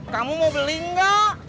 kamu mau beli enggak